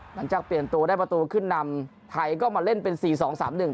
หลังจากเปลี่ยนตัวได้ประตูขึ้นนำไทยก็มาเล่นเป็นสี่สองสามหนึ่ง